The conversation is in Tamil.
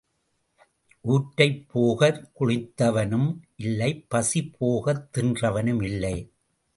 ஊற்றை போகக் குளித்தவனும் இல்லை பசி போகத் தின்றவனும் இல்லை.